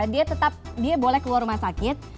dia tetap dia boleh keluar rumah sakit